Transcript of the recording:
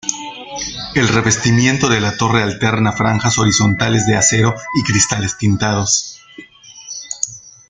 El revestimiento de la torre alterna franjas horizontales de acero y cristales tintados.